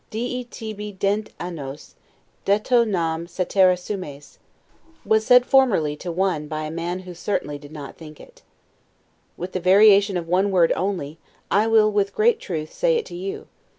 'Dii tibi dent annos, de to nam caetera sumes', was said formerly to one by a man who certainly did not think it. With the variation of one word only, I will with great truth say it to you.